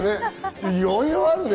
いろいろあるね。